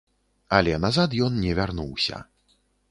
Але назад ён не вярнуўся.